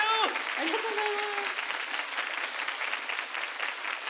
ありがとうございます。